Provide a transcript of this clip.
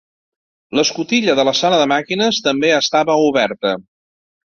L'escotilla de la sala de màquines també estava oberta.